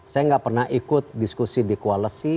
saya nggak pernah ikut diskusi di koalisi